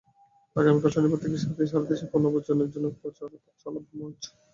আগামীকাল শনিবার থেকে সাতদিন সারা দেশে পণ্য বর্জনের জন্য প্রচার চালাবে মঞ্চ।